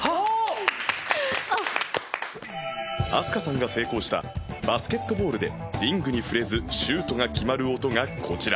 飛鳥さんが成功したバスケットボールでリングに触れずシュートが決まる音がこちら